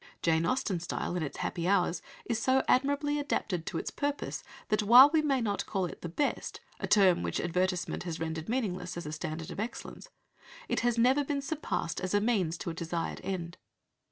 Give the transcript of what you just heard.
Jane Austen's style, in its happy hours, is so admirably adapted to its purpose that, while we may not call it "the best," a term which advertisement has rendered meaningless as a standard of excellence, it has never been surpassed as a means to a desired end.